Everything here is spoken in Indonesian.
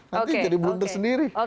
nanti jadi bener sendiri